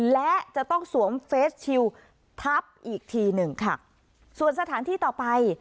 และจะต้องสวมเฟสชิลทับอีกทีหนึ่งค่ะส่วนสถานที่ต่อไป